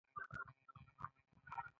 مقرراتو دوی ته اجازه نه ورکوله چې عاید ولري.